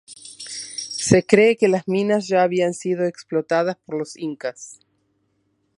Se cree que las minas ya habían sido explotadas por los Incas.